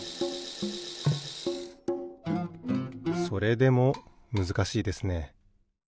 それでもむずかしいですね。